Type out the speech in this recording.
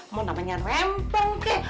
mau namanya rempong kek